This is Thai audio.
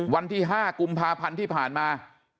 วันที่๕กุมภาพันธ์ที่ผ่านมา